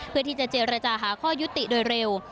เพื่อที่จะเจรจาหาข้อยุติโดยเร็ว